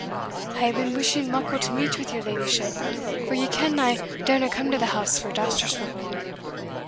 "I hae been wishing muckle to meet wi' your leddyship for ye ken I darena come to the house for Dousterswivel."